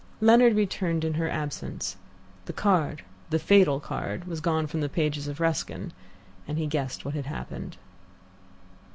Leonard returned in her absence. The card, the fatal card, was gone from the pages of Ruskin, and he guessed what had happened.